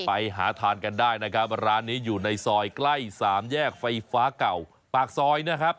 ไปหาทานกันได้นะครับร้านนี้อยู่ในซอยใกล้สามแยกไฟฟ้าเก่าปากซอยนะครับ